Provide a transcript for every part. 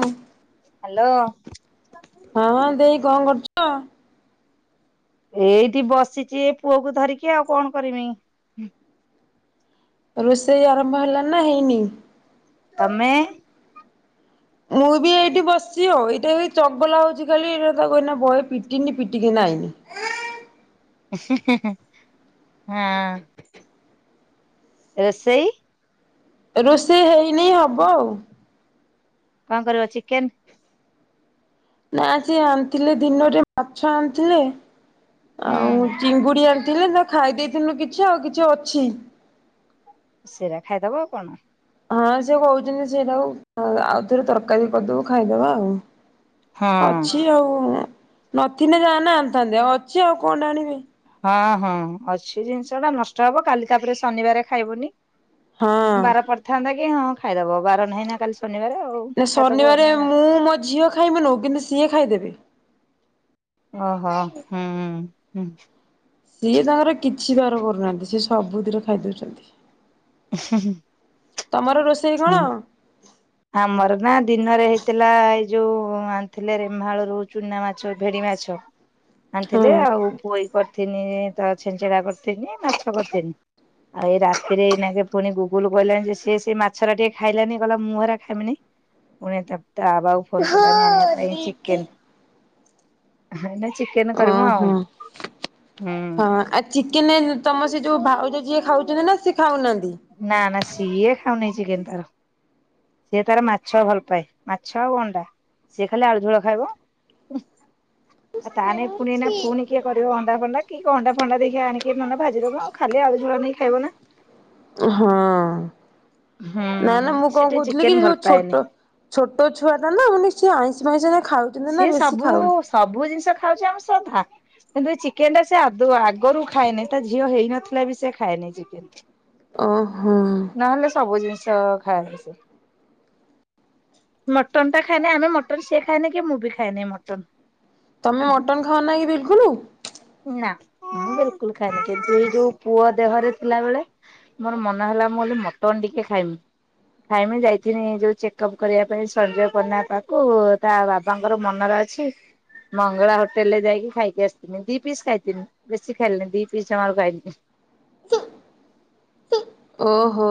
ହୁଁ। ହ୍ୟାଲୋ। ହଁ ଦେଇ କଣ କରୁଚ? ଏଇଠି ବସିଚି ଏ ପୁଅ କୁ ଧରିକି ଆଉ କଣ କରିମି। ରୋଷେଇ ଆରମ୍ଭ ହେଲାଣି ନା ହେଇନି? ତମେ ମୁଁ ବି ଏଇଠି ବସିଛି ଆଉ ଏଇଟା ଚଗଲା ହଉଛି ଖାଲି ହେ ତାକୁ ଏଇନା ବଏ ପିଟିଲି ପିଟିକିନା ଆଇଲି। ହେନ୍ ହେନ୍ ରୋଷେଇ? ରୋଷେଇ ହେଇନି ହବ ଆଉ। କଣ କରିବ ଚିକେନ? ନା ସେ ଆଣିଥିଲେ ଦିନରେ ମାଛ ଆଣିଥିଲେ ହୁଁ। ଆଉ ଚିଙ୍ଗୁଡି ଆଣିଥିଲେ ତ ଖାଇ ଦେଇଥିଲୁ କିଛି ଆଉ କିଛି ଅଛି। ସେଇଟା ଖାଇଦବ ଆଉ କଣ? ହଁ ସେ କହୁଛନ୍ତି ସେଟାକୁ ଆଉ ଥରେ ତରକାରୀ କରିଦବୁ ଖାଇଦବା ଆଉ। ହଁ ଅଛି ଆଉ ନଥିଲେ ଯା ନା ଆଣିଥାନ୍ତେ ଆଉ ଅଛି ଆଉ କଣ ଟା ଆଣିବି। ହଁ ହଁ ଅଛି ଜିନିଷ ଟା ନଷ୍ଟ ହବ କାଲି ତାପରେ ଶନିବାର ଖାଇବୁନି। ହଁ। ବାର ପଡିଥାନ୍ତା କି ହଁ ଖାଇଦବ ବାର ନାହିଁ ନା କାଲି ଶନିବାର ଆଉ ନା ଖାଇଦବ ଶନିବାରେ ଏଇନେ। ମୁଁ ମୋ ଝିଅ ଖାଇବୁନି କିନ୍ତୁ ସିଏ ଖାଇଦେବେ। ଓହୋ ହୁଁ ହୁଁ। ସିଏ ତାଙ୍କର କିଛି ବାର କରୁନାହାନ୍ତି ସିଏ ସବୁଥିରେ ଖାଇଦଉଛନ୍ତି। ହୁଁ ହୁଁ। ତମର ରୋସ୍ ହୁଁ। ଆମର ନା ଦିନରେ ହେଇଥିଲା ଏଇ ଯୋଉ ଆଣିଥିଲେ ନେମାଳରୁ ଚୁନା ମାଛ ଭେରି ମାଛ। ହଁ ଆଣିଥିଲେ ଆଉ ପୋଇ କରିଥିନି ତ ଛେଚେଡା କରିଥିନି ମାଛ କରିଥିନି। ଆଉ ଏଇନା ରାତିରେ ଏଇନାକେ ପୁଣି ଗୁଗୁଲ କହିଲା ଯେ ସେ ସେ ମାଛ ମାଛରା ଟିକେ ଖାଇଲାନି କହିଲା ମୁଁ ଏରା ଖାଇମିନି ପୁଣି ତା ବାବା କୁ ଫୋନ୍ କଲାଣି ଆଣିବା ପାଇଁ ଚିକେନ୍। ହେନେ ଚିକେନ କରିବୁ ଓହୋ। ଆଉ ହୁଁ। ହଁ ଆଉ ଚିକେନ ତମ ସେ ଯୋଉ ଭାଉଜ ଯିଏ ଖାଉଛନ୍ତି ନା ସେ ଖାଉନାହାନ୍ତି? ନା ନା ସିଏ ଖାଉନି ଚିକେନ ତାର। ସିଏ ତାର ମାଛ ଭଲ ପାଏ ମାଛ ଆଉ ଅଣ୍ଡା ସିଏ ଖାଲି ଆଳୁ ଝୋଳ ଖାଇବ। ଆ ତାନେ ପୁଣି ନା ପୁଣିି କିଏ କରିବ ଅଣ୍ଡା ଫଣ୍ଡା କି ଅଣ୍ଡା ଫଣ୍ଡା ଦେଖି ଆଣିକି ନହେଲେ ଭାଜିଦବ ଆ ଖାଲି ଆଳୁ ଝୁଳ ନେଇ ଖାଇବ ନା ହଁ ହୁଁ ନାଇ ନା ମୁଁ ସେ କଣ ଟିକେ କହୁଥିଲି ଚିକେନ କି ଭଲ ଯୋଉ ପାଏନି। ଛୋଟ ଛୋଟ ଛୁଆ ଟା ନା ମାନେ ସେ ଆଇଁଷ ଫାଇଁସ ଏଇନା ଖାଉନି ସିଏ ସବୁ ସବୁ ଜିନିଷ ଖାଉଛି ଆମ ସହ ଭା କିନ୍ତୁ ଏ ଚିକେନ ଟା ସେ ଆଦୌ ଆଗରୁ ଖାଏନାହିଁ ତା ଝିଅ ହେଇନଥିଲା ବି ସେ ଖାଏନି ଚିକେନ। ଓହୋ। ନହେଲେ ସବୁ ଜିନିଷ ଖାଏ ସିଏ। ମଟନ ଟା ଖାଏନି ଆମେ ମଟନ୍ ସେ ଖାଏନି କି ମୁଁ ବି ଖାଇନି ମଟନ। ତମେ ମଟନ ଖାଅ ନାହିଁ କି ବିଲକୁଲ? ନା ମୁଁ ବିଲକୁଲ ଖାଇନି କିନ୍ତୁ ଏଇ ଯୋଉ ପୁଅ ଦେହରେ ଥିଲାବେଳେ ମୋର ମନ ହେଲା ମୁଁ କହିଲିି ମଟନ୍ ଟିକିଏ ଖାଇମି। ନାଇମ ଯାଇଥିଲି ଏ ଯୋଉ ଚେକ ଅପ୍ କରିବା ପାଇଁ ସଞ୍ଜୟ ପଟନା ପାକୁ ତା ବାବା ବାପାଙ୍କର ମନରେ ଅଛି ମଙ୍ଗଳା ହୋଟେଲ ରେ ଯାଇକି ଖାଇକି ଆସିଥିନି ଦି ପିସ୍ ଖାଇଥିନି ବେଶି ଖାଇଲିନି ଦି ପିସ୍ ଜମାରୁ ଖାଇଲି। ଓହୋ।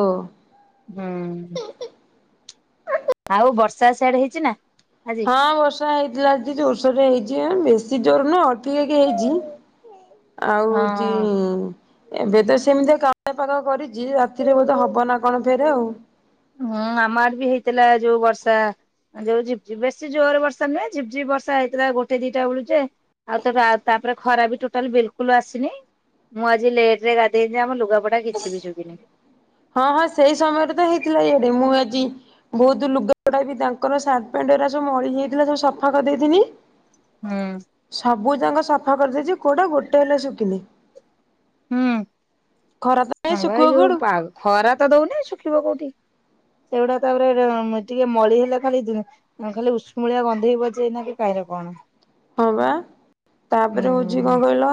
ହୁଁ। ଆଉ ବର୍ଷା ସେଆଡେ ହେଇଛି ନା? ହଁ ବର୍ଷା ହେଇଥିଲା ଆଜି ଜୋରସୋରେ ହେଇଛି ବେଶୀ ଜୋର ନୁହଁ ଅଳପେକି ହେଇଛି। ଆଉ ହଉଛି ହଁ। ଏବେ ତ ସେମିତି କାଉଁଳିଆ ପାଗ କରିଛି ରାତିରେ ବୋଧେ ହବ ନା କଣ ଫେରେ ଆଉ। ହୁଁ ଆମ ଆଡ଼େ ବି ହେଇଥିଲା ଯୋଉ ବର୍ଷା ଯଉ ଝିପି ଝିପି ବେଶି ଜୋରେ ବର୍ଷା ନୁହେଁ ଝିପଝିପ୍ ବର୍ଷା ହେଇଥିଲା ଗୋଟେ ଦିଟା ବେଳୁ ଯେ ଆଉ ତ ତାପରେ ଖରା ବି ହୋଟାଲ ବିଲକୁଲ ଆସିନି ମୁଁ ଆଜି ଲେଟ ରେ ଗାଧେଇି ଆମ ଲୁଗାପଟା କିଛି ବି ଶୁକିନି। ହଁ ହଁ ସେଇ ସମୟରେ ତ ହେଇଥିଲା ଇଆଡେ ମୁଁ ଆଜି ବହୁତ ଲୁଗାଟା ବି ତାଙ୍କର ସାର୍ଟ ପଣ୍ଟଟା ସବୁ ମଳି ଯାଇଥିଲା। ସବୁ ସଫା କରିଦେଇଥିଲି। ହଁ। ସବୁ ଯକ ସଫା କରିଦେଇଛି କୋଉଟା ଗୋଟେ ହେଲେ ଶୁଖିନି। ହୁଁ, ଖରା ତ ନାହିଁ ହଁ ଶୁଖିବ ଭାଇ କୁଆଡୁ ଯୋଉ ଖରା ତ ଦଉନି ଶୁଖିବ କୋଉଠି। ସେଗୁଡା ତାପରେ ଟିକେ ମଳି ହେଲେ ଖାଲି ଖାଲି ଉଷ୍ମଳିଆ ଗନ୍ଧେଇ ବଜେଇନା କି କାହିଁରେ କଣ ହଁ ବା ତାପରେ ହଉଛି କଣ ହୁଁ। କହିଲ?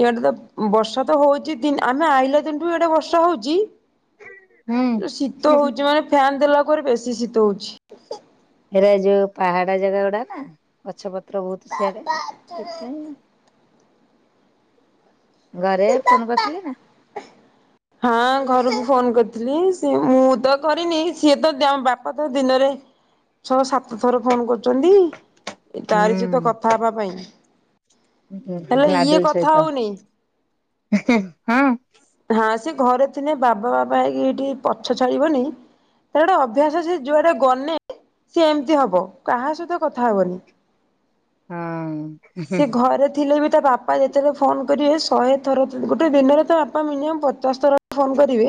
ଇଆଡେ ତ ବର୍ଷା ତ ହଉଛି ଦ ଆମେ ଆଇିଲ ଦିନଠୁ ଇଆଡେ ବର୍ଷା ହଉଛି। ଶୀତ ହୁଁ। ହଉଛି ମାନେ ଫ୍ୟାନ ଦେଲା ପରେ ବେଶୀ ଶୀତ ହଉଛି। ଏଟ ଯୋଉ ପାହାଡ ଜାଗା ଗୁଡା ନା ଗଛ ପତ୍ର ବହୁତ ସିଆଡେ ଘରେ ଫୋନ କରିଥିଲେ ନା? [inaudible] ହଁ ଘରକୁ ଫୋନ କରିଥିଲି ସେ ମୁଁ ତ କରିନି ସିଏ ତ ବାପା ତ ଦିନରେ ଛଅ ସାତ ଥର ଫୋନ କରୁଛନ୍ତି ତାରି ସହିତ ହୁଁ କଥା ହବା ପାଇଁ ହେଲା ଇଏ ଲାଡୁଲ ସହିତ। କଥା ହଉନି। ହଁ। ହଁ ସେ ଘରେ ଥିଲେ ବାବା ବାବା ହେଇକି ଏଠି ପଛ ଛାଡିବନି। ତା ଗୋଟେ ଅଭ୍ୟାସ ସେ ଯୁଆଟେ ଗଲେେ ସି ଏମିତି ହବ କାହା ସହିତ କଥା ହବନି। ହଁ। ସେ ଘରେ ଥିଲେ ବି ତା ବାପା ଯେତେବେଳେ ଫୋନ୍ କରିବେ ଶହେ ଥର ଗୋଟେ ଦିନରେ ତା ବାପା ମିନିମମ୍ ପଚାଶ ଥର ଫୋନ୍ କରିବେ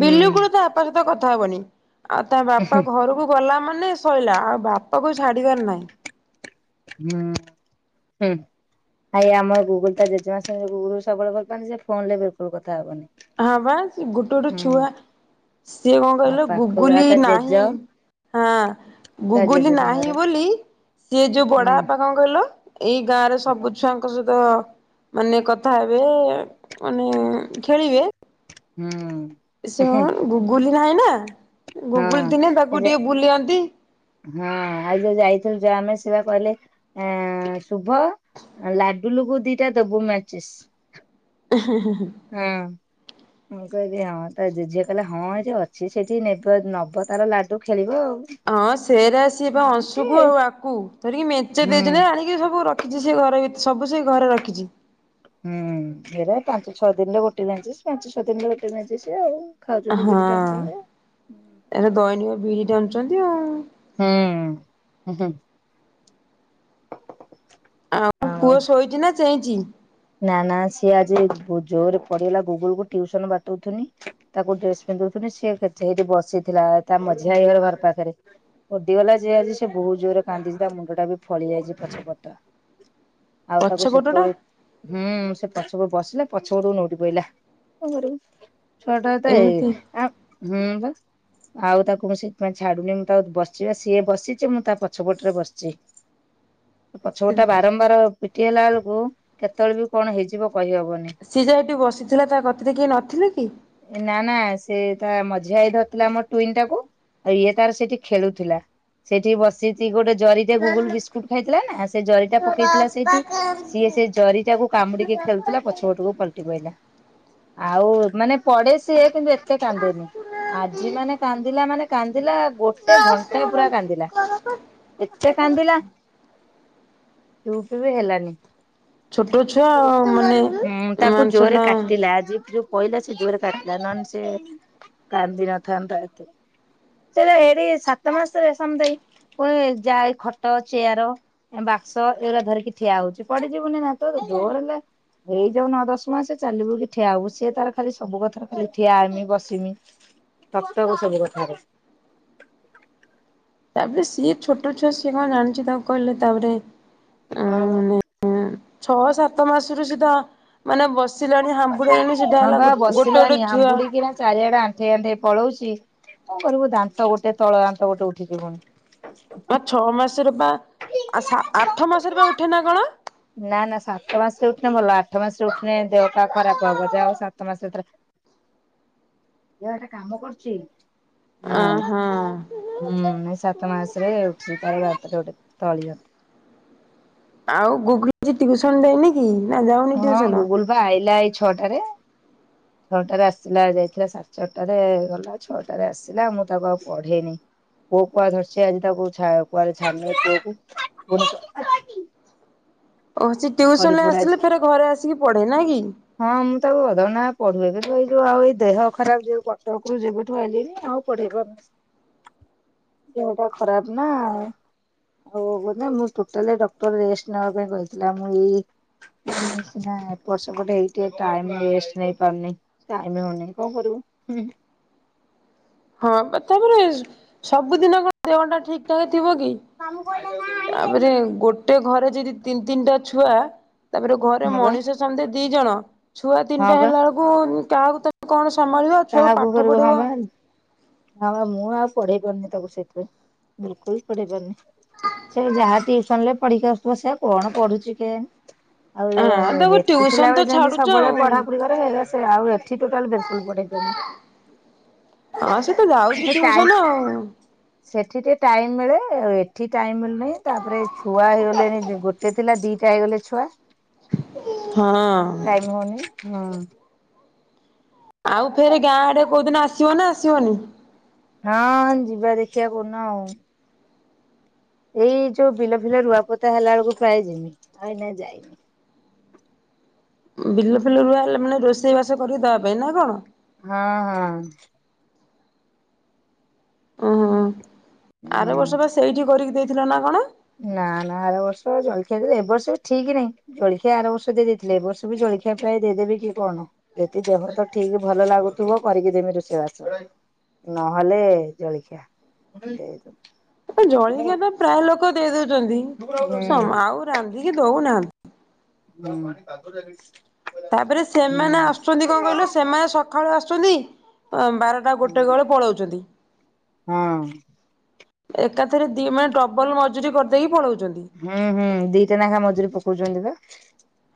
ହୁଁ ବିଲୁକୁଳ ତା ବାପା ସହିତ କଥା ହବନି ଆଉ ତା ବାପା ହୁଁ। ଘରକୁ ଗଲା ମାନେ ଶୋଇଲା ଆଉ ବାପା କ ଛାଡିବାର ନାହିଁ। ହୁଁ ହୁଁ। ଆାଇ ଆମ ଗୁଗଲ ତାେମାରେ ଗୁଗଲ ସବୁଳେ ଭଲ ପନି ସେ ଫୋନରେ ବିଲକୁଲ କଥା ହବନି। ହଁ ବା ସେ ଗୋଟେ ଗୋଟେ ହୁଁ ଛୁଆ ସିଏ କଣ ଆଉ କହିଲ ପାଖକୁ ଆଉ ଗୁଗୁଲି ତା ଜେଜ ନାହିଁ। ହଁ ତା ଜେଜ ଗୁଗୁଲି ନାହିଁ ସାଙ୍ଗରେ ବୋଲି ସିଏ ଯୋଉ ବଡା ହଁ ପା କଣ କହିଲ ଏଇ ଗାଁରେ ସବୁ ଛୁଆଙ୍କ ସହିତ ତ ମାନେ କଥା ହେବେ ମାନେ ଖେଳିବେ। ହୁଁ। ସେ କ ଗୁଗୁଲ ନାହିଁ ନା ହଁ ଗୁଗୁଲ ଦିନେ ଏ ତାକୁ ଯେ ଟିକେ ବୁଲନ୍ତି। ହଁ ଆଉ ଯୋଉ ଯାଇଥିଲୁ ଯୋ ଆମେ ସେଆ କହିଲେ ଆ ଶୁଭ ଲାଡୁ ଲୁବୁ ଦିଟା ଦବୁ ମ୍ୟାଚିସ୍। ହଁ ହଁ ହଁ। ହଁ। ମୁଁ କହିଲି ହଁ ତ ଜେଝି କିଲେ ହଁ ଏଇଠି ଅଛି ସେଇଠି ନେ ନବ ତାର ଲାଡୁ ଖେଳିବ ଆଉ। ହଁ ସେରେ ଆସ ଏମିତି ଅଂଶୁକୁ ଆଉ ଆକୁ ତରିକି ମେଞ୍ଚେ ହୁଁ ଦେଇଛି ଆଣିକି ସବୁ ରଖିଛି ସେ ଘରେ ସବୁ ସେ ଘରେ ରଖିଛି। ହୁଁ ଏରା ପାଞ୍ଚ ଛଅ ଦିନରେ ଗୋଟେ ଜାଣିଚ ପାଞ୍ଚ ଛଅ ଦିନରେ ଗୋଟେ ଜାଣି ସ ଆଉ ଖାଉଛନ୍ତି ହଁ ବିରି ଟାଣୁଛନ୍ତି ଆଉ। ଏଟ ଦୈନୀୟ ବିରି ଟାଣୁଛନ୍ତି ଆଉ। ହଁ ହ। ଆଉ ପୁଅ ଶୋଇଛି ନା ଚେଇଁଛି? ନା ନା ସିଏ ଆଜି ଜୋରରେ ପଢେଇଗଲା ଗୁଗୁଲ କୁ ଉସନ ବାଟଉଥନି। ତାକୁ ଡ୍ରେସ ପିନ୍ଧୁଥିଲି ସିଏ ସେଇଠି ବସିଥିଲା ତା ମଝିଆ ହେଇଗର ଘର ପାଖରେ। ଓଡିଗଲା ଯ ଆଜି ସେ ବହୁତ ଜୋରରେ କାନ୍ଦିଛି ତା ମୁଣ୍ଡ ଟା ବି ଫଳି ଯାଇଛି ପଛ ପଟ ଆଉ ତାକୁ ପଛ ପଟଟା ସେତେବେଳେୁ ହୁଁ, ସେ ପଛ ବସିଲା ପଛ ଗୁ ନୋଉଠି ବଲା କଣ କରିବୁ? ଛଅଟା ତ ଏଇ ଏମିତି ଆଁ ହୁଁ ବା ଆଉ ତାକୁ ମୁଁ ସେଥିପାଇଁ ଛାଡୁନି ମୁଁ ତାକୁ ବସଚି ବା ସିଏ ବସିଚି ମୁଁ ତା ପଛପଟରେ ବସିଚି। [inaudible] ପଛପଟଟା ବାରମ୍ବାର ପିଟି ହେଲା ବେଳକୁ କେତେବେଳେ ବି କଣ ହେଇଯିବ କହିହବନି। ସେ ଯାହା ହେଠି ବସିଥିଲା ତା କତିରେ କିଏ ନଥିଲେ କି? ଏ ନାଁ ନାଁ ସେ ତା ମଝିଆ ଭାଇ ଧରିଥିଲା ଆମ ଟୁଇଁ ଟାକୁ। ଇଏ ତାର ସେଠି ଖେଳୁଥିଲା ସେଇଠି ବସିଚି ଗୋଟେ ଜରି ଯେ ଗୁଗୁଲ ବିସ୍କୁଟ ଖାଇଥିଲା ନା ସେ ଜରିଟା ପକେଇଥିଲା ସେଇଠି। ସିଏ ସେ ଜରି ଟାକୁ କାମୁଡିକି ଖେଳୁଥିଲା ପଛପଟକୁ ପଲଟି ପଡିଲା ଆଉ ମାନେ ପଡେ ସିଏ କିନ୍ତୁ ଏତେ କାନ୍ଦେନି ଆଜି ମାନେ କାନ୍ଦିଲା ମାନେ କାନ୍ଦିଲା ଗୋ ଗୋଟେ ଘଣ୍ଟା ପୁରା କାନ୍ଦିଲା ଏତେ କାନ୍ଦିଲା। ଚୁପ ବି ହେଲାନି। ଛୋଟ ଛୁଆ ମାନେ ହୁଁ ତାକୁ ମାନସ ଜୋରରେ ଟା କାଟିଲା ଆଜି ଯୋ ପଇଲା ସେ ଜୋରେ କାନ୍ଦିଲା ନହେଲେ ସେ କାନ୍ଦିିନଥାନ୍ତା ଏତେ। ସେ ଏରେ ସାତ ମାସେ ସମଥିଙ୍ଗ ପୁଣି ଯା ଏଇ ଖଟ ଚେୟାର ବାକ୍ସ ଏରା ଧରିକି ଠିଆ ହଉଚି ପଡି ଯିବୁନି ଦାନ୍ତ ରୁ ଜୋରେ ଲେ ଏଇ ଯୋଉ ନଅ ଦଶ ମାସ ଚାଲିବୁ କି ଠିଆ ହବୁ ସିଏ ତାର ଖାଲି ସବୁ କଥାରେ ଖାଲି ଠିଆ ହେମି ବସିମି। ଟକ ଟକ ସବୁ କଥାରେ ତାପରେ ସିଏ ଛୋଟ ଛୁଆ ସିଏ କଣ ଜାଣିଚି ତାକୁ କହିଲେ ତାପରେ। ହଁ ହୁଁ ଛଅ ସାତ ମାସରୁ ସିଏତ ମାନେ ବସିଲାଣି ହାମ୍ୱୁଡେଇଲାଣି ସେ ହଁ ପା ବସିଲାଣି ହାମ୍ପୁଡି କିନା ଚାରିଆଡେ ଆନ ଆଣ୍ଠେଇ ଆଣ୍ଠେଇ ପଳଉଚି କଣ କରିବୁ ଦାନ୍ତ ଗୋଟେ ତଳ ଦାନ୍ତ ଗୋଟେ ଉଠିଚି ପୁଣି। ଆ ଛଅ ମାସରେ ପା ସା ଆଠ ମାସରେ ପା ଉଠେ ନା କଣ। ନାଁ ନାଁ ସାତ ମାସରେ ଉଠିନେ ଭଲ ଆଠ ମାସରେ ଉଠିନେ ଦେହ ପା ଖରାପ ହବ ଯାହା ହୋଇ ସାତ ମାସ ତାର ଇଆଡେ କାମ କରୁଚି। ଅ ହଁ। ହୁଁ ସାତ ମାସ ରେ ଉଠିଚି ତାର ଦାନ୍ତଟେ ଗୋଟେ ତଳି ଦାନ୍ତ। ଆଉ ଗୁଗୁ ଆଜି ଟ୍ୟୁସନ ଯାଇନି କି ନା ଯାଉନି ଟ୍ୟୁସନ। ସିଏପା ଆଇଲା ଏଇ ଛଅଟାରେ ଛଅଟାରେ ଆସିଲା ଯାଇଥିଲା ସାତ ଚାରଟାରେ ଗଲା ଛଅଟାରେ ଆସିଲା ମୁଁ ତାକୁ ଆଉ ପଢେଇନି। ପୁଅକୁ ଆଜି ଧରଚି ଆଜି ତାକୁ ଛା କୁଆଡେ ଛାଡିନି ପୁଅକୁ ପୁଣି ଓହ ସେ ଟ୍ୟୁସନରେ ଅଛି ଆସିଲେ ଫେରେ ଘରେ ଆସିକି ପଢେ ନାଁ କି? ହଁ ମୁଁ ତାକୁ ଅଧଘଣ୍ଟା ଲେଖା ପଢୁଏ କିନ୍ତୁ ଏଇ ଯୋଉ ଆଉ ଏଇ ଦେହ ଖରାପ ଯୋଉ କଟକରୁ ଯେବେଠୁ ଆଇଲିଣି ଆଉ ପଢେଇବ [inaudible] ଦେହଟା ଖରାପ ନା ହଉ କି ନାଇଁ ମୁଁ ଟୋଟାଲି ଡକ୍ଟର ରେଷ୍ଟ ନବା ପାଇଁ କହିଥିଲା ମୁଁ ଏଇ ମୁଁ ସିନା ଏପ୍ରସ ଗୋଟେ ଏଇଟି ଏ ଟାଇମ ରେଷ୍ଟ ନେଇ ପାରୁନି ଟାଇମ ହଉନି କଣ କରିବୁ। ହ କ ତାପରେ ସବୁଦିନ କଣ ଦେହ ଟା ଠିକ ଠାକ ଥିବ କି। ତାପରେ ଗୋଟେ ଘରେ ଯଦି ତିନ ତିନଟା ଛୁଆ। ତାପରେ ଘରେ ହଁ ବା ମଣିଷ ସମୁଦାଏ ଦି ଜଣ ଛୁଆ ହଁ ତିନଟା ବା ହେଲା ବେଳ କୁ କାହାକୁ ତମେ କଣ ସମ୍ଭାଳିବ ଛୁଆକୁ କାହାକୁ ପାଠ କରିବୁ ହଁ ପଢେଇବ। ବା ହଁ ପା ମୁଁ ଆଉ ପଢେଇ ପାରୁନି ତାକୁ ସେଇଥିପାଇଁ ବିଲକୁଲ ପଢେଇ ପାରୁନି। ସେ ଯାହା ଟିଉସନ ରେ ପଢିକି ଆସୁଥିବ ସେ ଆଉ କଣ ପଢୁଛି କେୟାଣି। ହଁ ଆଉ ତାକୁ ହେଟି ଥିଲା ଟିଉସନ ତ ବେଳେ ଯେମିତି ଛାଡୁଛ ସବୁବେଳେ ଆଉ ପଢାପଢି କରେ ସେ ହେଲା ସେ ଆଉ ଏଠି ଟୋଟାଲ ବିଲକୁଲ ପଢେଇ ପାରୁନି। ହଁ ସେ ତ ଯାଉଛି ସେଠି ଟାଇ ଟିଉସନ ଆଉ ସେଠି ଟିକେ ଟାଇମ ମିଳେ ଏଠି ଟାଇମ ମିଳ ନାଇଁ ତାପରେ ଛୁଆ ହେଇଗଲେଣି ଗୋଟେ ଥିଲା ଦିଟା ହେଇଗଲେ ଛୁଆ ହଁ ଟାଇମ ହଉନି ହୁଁ ଆଉ ଫେରେ ଗାଁ ଆଡେ କୋଉଦିନ ଆସିବ ନା ଆସିବନି? ହଁ ଯିବା ଦେଖିବା କୋଉ ଦିନ ଆଉ ଏଇ ଯୋଉ ବିଲ ଫିଲ ରୁଆପୋତା ହେଲା ବେଳକୁ ପ୍ରାୟ ଜିମି ଆଉ ଏଇନା ଯାଇନି ବିଲ ଫିଲ ରୁଆ ହେଲା ମାନେ ରୋଷେଇ ବାସ କରିକି ଦେବା ପାଇଁ ନା କଣ? ହଁ ହଁ ଓ ହୋ ଆର ହୁଁ ବର୍ଷ ବା ସେଇଠି କରିକି ଦେଇଥିଲ ନା କଣ? ନା ନା ଆର ବର୍ଷ ଜଳ ଖିଆ ଏବ ବର୍ଷ ବି ଠିକ ନାହିଁ। ଜଳଖିଆ ଆର ବର୍ଷ ଦେଇ ଦେଇଥିଲେ ଏବ ବର୍ଷ ବି ଜଳଖିଆ ପ୍ରାୟ ଦେଇଦେବେ କି କଣ? ଯଦି ଦେହ ତ ଠିକ ଭଲ ଲାଗୁଥିବ କରିକି ଦେମି ରୋଷେଇବାସିବ ନହେଲେ ଜଳଖିଆ। ଦେଇ ହଁ ଜଳିକିଆ ତ ପ୍ରାୟ ଲୋକ ଦେଇ ଦଉଛନ୍ତି ହୁଁ ହୁଁ। ସମ୍ଆଉ ରାନ୍ଧିକି ଦଉନାହାନ୍ତି। ଉ [inaudible] ତାପରେ ସେମାନେ ଆସୁଛନ୍ତି କଣ କହିଲ ସେମାନେ ସକାଳୁ ଆସୁଛନ୍ତି ଆ ବାରଟା ତା ଗୋଟେ ବେଳେ ପଳଉଛନ୍ତି। ହଁ ଏକାଥରେ ଦି ମାନେ ଡବଲ ମଜୁରୀ କରିଦେଇକି ପଳଉଛନ୍ତି। ହୁଁ ହୁଁ ଦିଟା ଲେଖା ମଜୁରୀ ପକଉଛନ୍ତି ବା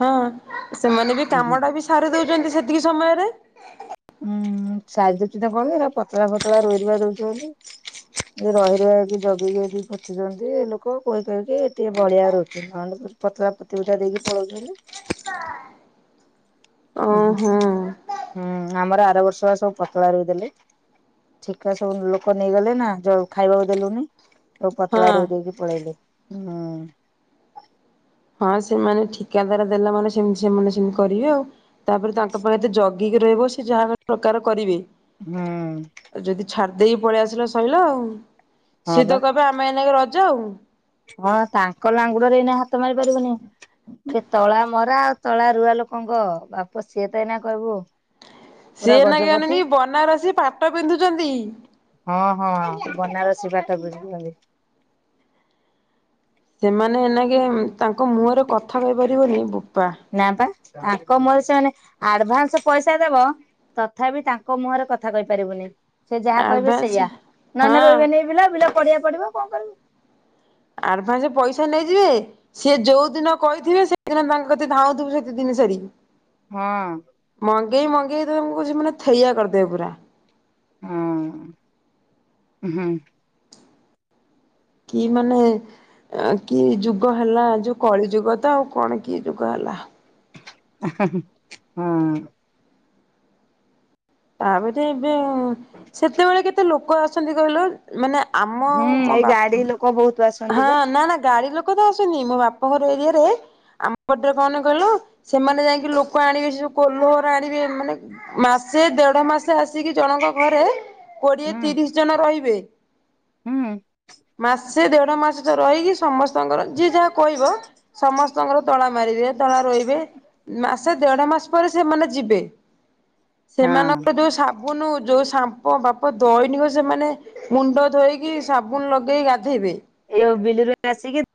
ହଁ ସେମାନେ ବି କାମ ଟା ବି ସାରି ଦଉଛନ୍ତି ସେତିକି ସମୟରେ ହୁଁ ସାଇଦଛିହ କନ ପତଳା ଫତଳା ରୋଇ ରୁଆ ଦଉଛି ବୋଲି [inaudible] ଯ ର ରୁଆକି ଜଗିକି ଯି ପଚିଛନ୍ତି ଲୋକ କହି କହକି ଟିକେ ବଳିିଆ ରହୁଛନ୍ତି ମଣ୍ଡପୁର ପତଳା ପତିଟା ଦେଇକି ପଳଉଛନ୍ତି [inaudible] ଉ ହୁ ଓହୋ ହୁଁ ଆମର ଆର ବର୍ଷ ବା ସବୁ ପତଳା ରୋଇଦେଲେ। ଠିକା ସବୁ ଲୋକ ନେଇଗଲେ ନା ଜଳ ଖାଇବାକୁ ଦେଲୁନି। ସେ ପତଳା ହଁ। ରୋଇ ଦେଇକି ପଳେଇଲେ ହୁଁ। ହଁ ସେମାନେ ଠିକାଦାର ଦେଲା ମାନେ ସେମତି ସେମାନେ ସେମିତି କରିବେ ଆଉ ତାପରେ ତାଙ୍କ ପାଇଁ ଏତେ ଜ ଗିକି ରହିବ ସେ ଯାହା ଗୋଟ୍ ପ୍ରକାର କରିବେ ହୁ ଆଉ ଯଦି ଛାଡ଼ି ଦେଇକି ପଳେଇ ଆସିଲା ସଇଲା ଆଉ ହଁ ସିଏ ବା ତ କହିବେ ଆମେ ଏ ନେଇକ ରଜ ଆଉ ହଁ ତାଙ୍କ ଲାଙ୍ଗୁଡରେ ଏଇନା ହାତ ମାରି ପାରିବନି। ଯେ ତଳା ମରା ଆଉ ତଳା ରୁଆ ଲୋକଙ୍କ ବାପ ସିଏ ତ ଏଇନା କହିବୁ ପୁରା ସିଏ ନା ଇଏ ଗଜପତି। ଅନାନି ବନାରସୀ ପାଟ ପିନ୍ଧୁଛନ୍ତି ହଁ ହଁ ବନାରସି ପାଟ ପିନ୍ଧୁଛନ୍ତି। ସେମାନେ ଏଇ ନାକେ ତାଙ୍କ ମୁହଁରେ କଥା କହିପାରିବନି ବୋପା ନା ପା ତାଙ୍କ ମୋର ସେମାନେ ଆଡଭାନ୍ସ ପଇସା ଦବ ତଥାପି ତାଙ୍କ ମୁହଁରେ କଥା କହିପାରିବୁନି। ସେ ଯାହା କହିବେ ଆଡ଼ଭାନ୍ସ ସେଇଆ ନ ହଁ ନା ରହିବନି ପିଲା ପିଲା ପଡିଆ ପଡିବ କଣ କରିବୁ? ଆଡଭାନ୍ସ ପଇସା ନେଇଯିବେ ସିଏ ଯୋଉ ଦିନ କହିଥିବେ ସେଦିନ ତାଙ୍କ କତିକି ଧାଉଥିବେ ସେତେ ଦିନ ସାରି ହଁ ମଙ୍ଗେଇ ମଙ୍ଗେଇ ମାନେ ଥେଇଆ କରିଦେବେ ପୁରା ହଁ ହୁଁ କି ମାନେ କି ଯୁଗ ହେଲା ଯୋଉ କଳି ଯୁଗ ତ ଆଉ କଣ କି ଯୁଗ ହେଲା ହେ ହେ ହଁ। ଆମେତ ଏବେ ସେତେବେଳେ କେତେ ଲୋକ ଆସନ୍ତି କହିଲ? ମାନେ ଆମ ହୁଁ ମୋ ଏଇ ବାପ୍ ଗାଡି ଲୋକ ବହୁତ ଆସନ୍ତି ହଁ, ବା ନା ନା ଗାଡି ଲୋ କଥା ଆସୁନି ମୋ ବାପା ଘର ଏରିଆରେ ଆମଟରେ କଣ କହିଲୁ ସେମାନେ ଯାଇକି ଲୋକ ଆଣିବେ ସେ ଯୋଉ କୋଲହରା ଆଣିବେ ମାନେ ମାସ୍ ସେ ଦେଢ ମାସ ଆସିକି ଜଣଙ୍କ ଘରେ କୋଡିଏ ହୁଁ ତିରିଶ ଜଣ ରହିବେ। ହୁଁ ମାସେ ଦେଢ ମାସେ ତ ରହିକି ସମ ସ୍ତଙ୍କର ଯି ଯାହା କହିବ ସମସ୍ତଙ୍କର ତଳା ମାରିବେ ତଳା ରୋହିବେ ମା ସେ ଦେଢ ମାସ ପରେ ସେମାନେ ଯିବେ ହଁ ସେମାନଙ୍କର ଯୋଉ ସାବୁନ ଯୋଉ ଶାମ୍ ପ ବାପ ଦୈନିକ ସେମାନେ ମୁଣ୍ଡ ଧୋଇକି ସାବୁନ ଲଗେଇ ଗାଧେଇବେ। ଏ ଯୋଉ ବିଲୁରୁ ଆସିକି